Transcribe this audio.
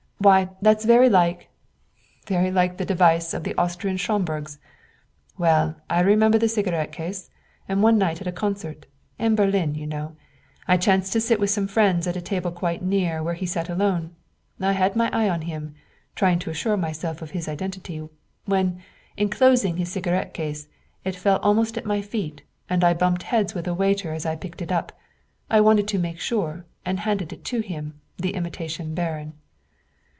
"Why, that's very like " "Very like the device of the Austrian Schomburgs. Well, I remembered the cigarette case, and one night at a concert in Berlin, you know I chanced to sit with some friends at a table quite near where he sat alone; I had my eye on him, trying to assure myself of his identity, when, in closing his cigarette case, it fell almost at my feet, and I bumped heads with a waiter as I picked it up I wanted to make sure and handed it to him, the imitation baron."